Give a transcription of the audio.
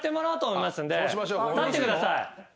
立ってください。